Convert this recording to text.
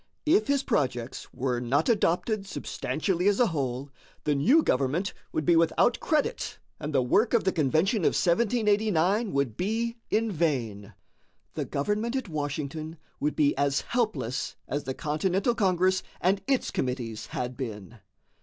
If his projects were not adopted substantially as a whole, the new government would be without credit and the work of the Convention of 1789 would be in vain. The government at Washington would be as helpless as the Continental Congress and its committees had been.